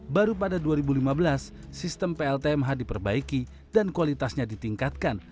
baru pada dua ribu lima belas sistem pltmh diperbaiki dan kualitasnya ditingkatkan